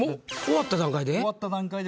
終わった段階で？